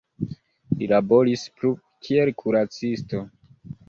Li laboris plu, kiel kuracisto.